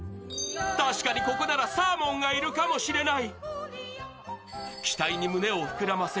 確かにここならサーモンがいるかもしれない。